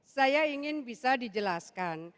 saya ingin bisa dijelaskan